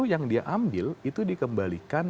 yang dia ambil itu dikembalikan